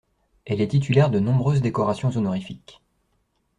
Elle est titulaire de nombreuses décorations honorifiques.